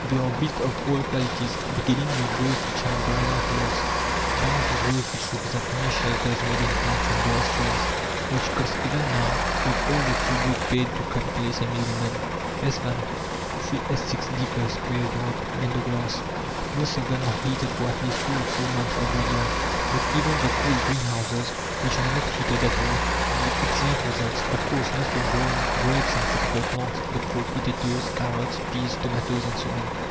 They are built of all qualities, beginning with those which have granite walls, down to those which represent mere shelters made in planks and glass frames, which cost, even now, with all the tribute paid to capitalists and middlemen, less than 3s. 6d. per square yard under glass. Most of them are heated for at least three of four months every year; but even the cool greenhouses, which are not heated at all, give excellent results of course, not for growing grapes and tropical plants, but for potatoes, carrots, peas, tomatoes, and so on.